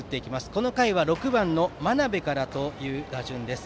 この回は６番の真鍋からという打順です。